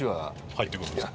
入ってくるんですか？